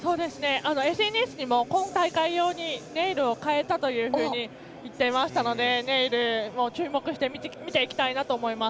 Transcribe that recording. ＳＮＳにも今大会用にネイルを変えたと言っていましたのでネイルにも注目して見ていきたいと思います。